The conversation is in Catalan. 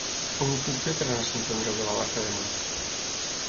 Com ho puc fer per anar a Sant Andreu de la Barca demà?